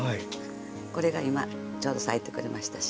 これが今ちょうど咲いてくれましたしね。